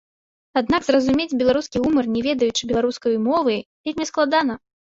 Аднак зразумець беларускі гумар, не ведаючы беларускай мовы, вельмі складана.